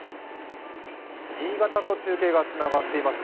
新潟と中継がつながっていますね。